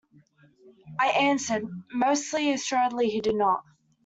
I answered, most assuredly he did not.